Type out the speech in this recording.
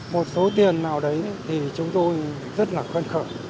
một số tiền nào đấy thì chúng tôi rất là khen khởi